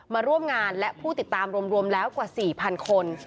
มาร่วมงานและผู้ติดตามรวมแล้วกว่า๔๐๐คน